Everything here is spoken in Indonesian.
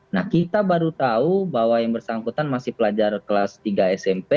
nah kita baru tahu bahwa yang bersangkutan masih pelajar kelas tiga smp